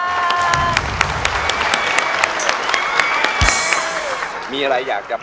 ทุกคนนี้ก็ส่งเสียงเชียร์ทางบ้านก็เชียร์